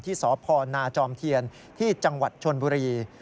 ที่สพนาจอมเทียนที่จังหวัดชนบุรี